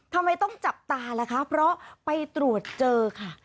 ทำไมต้องจับตาล่ะคะเพราะไปตรวจเจอค่ะ